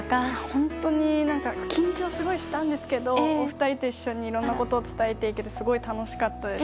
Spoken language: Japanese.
本当に緊張はすごいしたんですけどお二人と一緒にいろんなことを伝えていけてすごい楽しかったです。